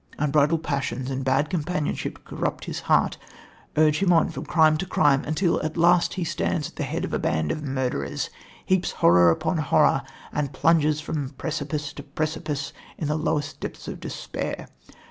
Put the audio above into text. Unbridled passions and bad companionship corrupt his heart, urge him on from crime to crime, until at last he stands at the head of a band of murderers, heaps horror upon horror, and plunges from precipice to precipice in the lowest depths of despair.